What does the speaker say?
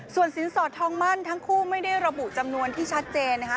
ส่วนสินสอดทองมั่นทั้งคู่ไม่ได้ระบุจำนวนที่ชัดเจนนะคะ